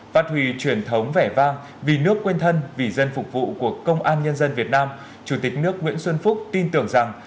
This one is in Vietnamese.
phát huy truyền thống vẻ vang vì nước quên thân vì dân phục vụ của công an nhân dân việt nam chủ tịch nước nguyễn xuân phúc tin tưởng rằng